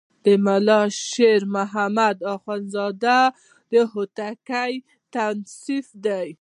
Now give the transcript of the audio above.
د ملا شیر محمد اخوندزاده هوتکی تصنیف دی.